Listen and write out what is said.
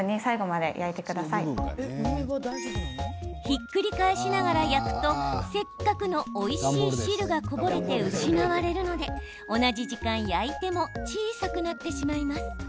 ひっくり返しながら焼くとせっかくのおいしい汁がこぼれて失われるので、同じ時間焼いても小さくなってしまいます。